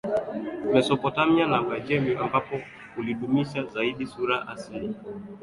Mesopotamia na Uajemi ambapo ulidumisha zaidi sura asili